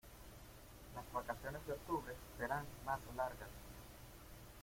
Las vacaciones de octubre serán más largas.